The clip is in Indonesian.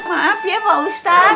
maaf ya pak ustadz